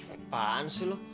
apaan sih lo